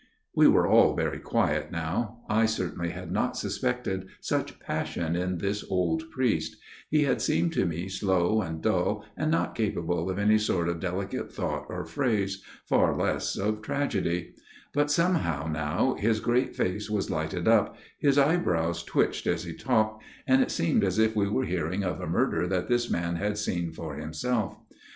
We were all very quiet now ; I certainly had not suspected such passion in this old priest ; he had seemed to me slow and dull and not capable of any sort of delicate thought or phrase, far less of 256 A MIRROR OF SHALOTT tragedy ; but somehow now his great face was lighted up, his eyebrows twitched as he talked ; and it seemed as if we were hearing of a murder that this man had seen for himself.